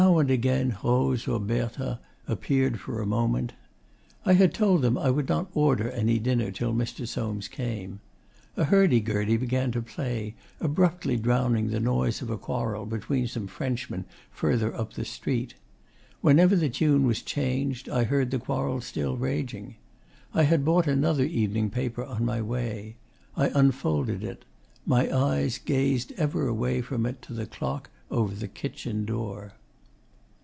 Now and again Rose or Berthe appeared for a moment. I had told them I would not order any dinner till Mr. Soames came. A hurdy gurdy began to play, abruptly drowning the noise of a quarrel between some Frenchmen further up the street. Whenever the tune was changed I heard the quarrel still raging. I had bought another evening paper on my way. I unfolded it. My eyes gazed ever away from it to the clock over the kitchen door....